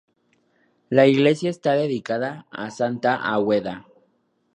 La iglesia está dedicada a santa Águeda.